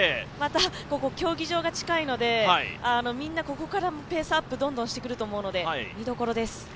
またここ、競技場が近いのでみんなここからペースアップをどんどんしてくると思うので見どころです。